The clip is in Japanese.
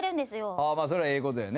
あーまあ、それはええことやね。